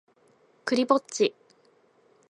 クリぼっち